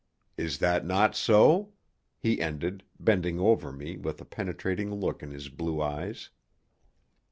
Is that not so?" he ended, bending over me with a penetrating look in his blue eyes.